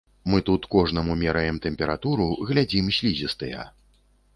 Мы тут кожнаму мераем тэмпературу, глядзім слізістыя.